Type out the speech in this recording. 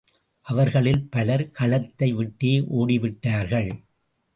அவர்களில் பலர் களத்தை விட்டே ஓடிவிட்டார்கள்.